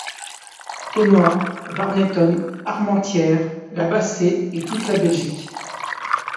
Quesnoy, Warneton, Armentières, La Bassée et toute la Belgique.